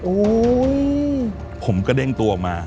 โอ้วผมกระเด็งตัวมา